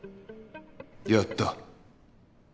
やった。